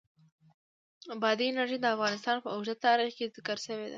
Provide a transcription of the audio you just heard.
بادي انرژي د افغانستان په اوږده تاریخ کې ذکر شوی دی.